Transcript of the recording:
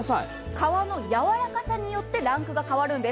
皮のやわらかさによってランクが変わるんです。